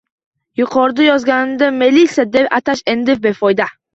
Yuqorida yozganimdek, "melisa" deb atash endi befoyda